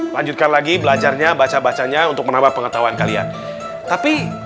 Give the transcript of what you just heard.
lanjutkan lagi belajarnya baca bacanya untuk menambah pengetahuan kalian tapi